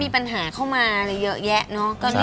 มีปัญหาเข้ามาอะไรเยอะแยะเนอะ